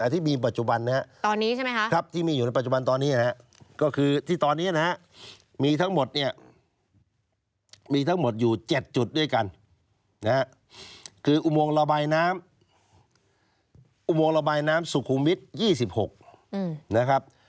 ตอนนี้ใช่ไหมครับ